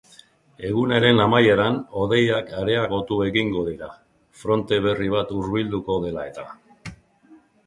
Egunaren amaieran hodeiak areagotu egingo dira, fronte berri bat hurbilduko dela eta.